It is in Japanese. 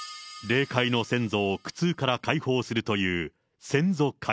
霊界の先祖を苦痛から解放するという先祖解怨。